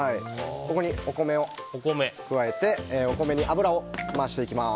ここにお米を加えてお米に油を回していきます。